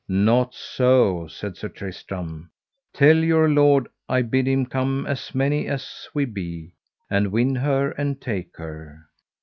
Not so, said Sir Tristram, tell your lord I bid him come as many as we be, and win her and take her.